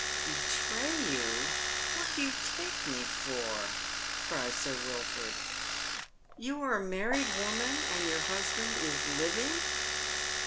" Betijiy you ! What do you take me for ?" cries Sir Wilford. ''Tou are a married woman, and your husband is living